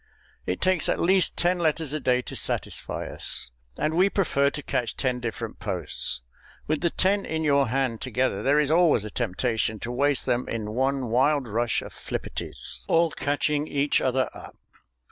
It takes at least ten letters a day to satisfy us, and we prefer to catch ten different posts. With the ten in your hand together there is always a temptation to waste them in one wild rush of flipperties, all catching each other up.